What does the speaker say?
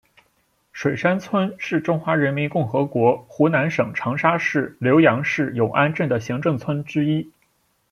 水山村是中华人民共和国湖南省长沙市浏阳市永安镇的行政村之一。